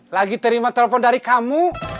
lagi terima telepon dari kamu